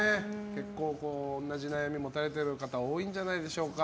結構同じ悩みを持たれている方多いんじゃないでしょうか。